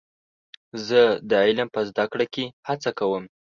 زه د علم په زده کړه کې هڅه کوم.